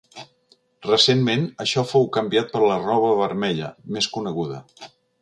Recentment, això fou canviat per la roba vermella, més coneguda.